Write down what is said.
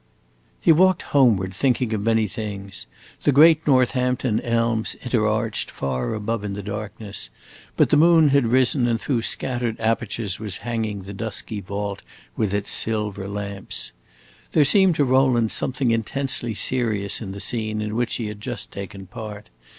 He walked homeward, thinking of many things. The great Northampton elms interarched far above in the darkness, but the moon had risen and through scattered apertures was hanging the dusky vault with silver lamps. There seemed to Rowland something intensely serious in the scene in which he had just taken part.